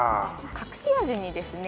隠し味にですね